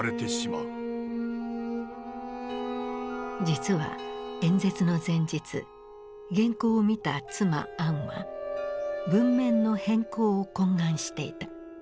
実は演説の前日原稿を見た妻・アンは文面の変更を懇願していた。